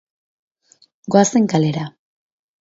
Goazen kalera.